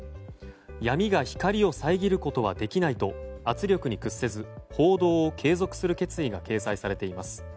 闇が光を遮ることはできないと圧力に屈せず報道を継続する決意が掲載されています。